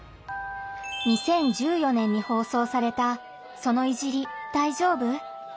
２０１４年に放送された「その“いじり”、大丈夫？」。